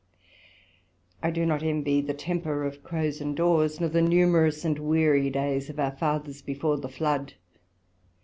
I do not envy the temper of Crows and Daws, nor the numerous and weary days of our Fathers before the Flood.